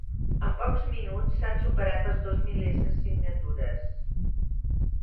En pocs minuts s’han superat els dos milers de signatures.